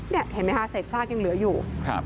เห็นไหมค่ะเศษภาคยังเหลืออยู่